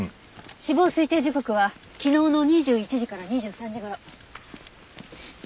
死亡推定時刻は昨日の２１時から２３時頃。